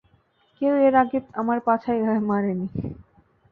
কেউ এর আগে আমার পাছায় এভাবে মারেনি।